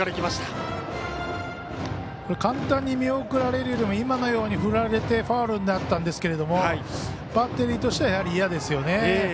簡単に見送るより今のように振られてファウルになったんですがバッテリーとしては嫌ですよね。